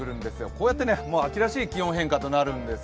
こうやって秋らしい気温変化になってくるんです。